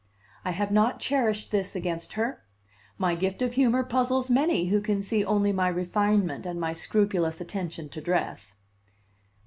I have not cherished this against her; my gift of humor puzzles many who can see only my refinement and my scrupulous attention to dress.